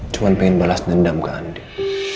cuma pengen balas dendam ke andik